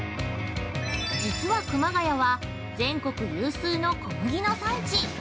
◆実は、熊谷は全国有数の小麦の産地。